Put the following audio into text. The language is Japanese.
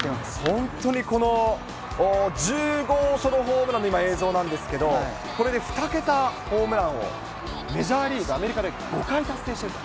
本当にこの、１０号ソロホームランの今、映像なんですけれども、これで２桁ホームランをメジャーリーグ、アメリカで５回達成していると。